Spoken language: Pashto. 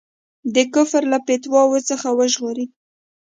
د کفر له فتواوو څخه وژغوري.